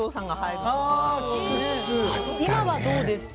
今はどうですか？